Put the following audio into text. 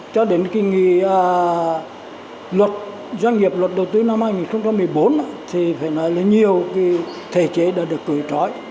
cho đến doanh nghiệp luật đầu tư năm hai nghìn một mươi bốn thì phải nói là nhiều thể chế đã được cử trói